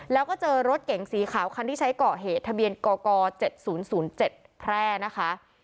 แล้วก็เจอรถเก่งสีขาวคันที่ใช้เกาะเหตุทะเบียนกกเจ็ดศูนย์ศูนย์เจ็ดแพร่นะคะ